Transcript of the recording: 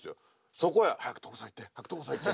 そこへ「早く所さん行って早く所さん行って」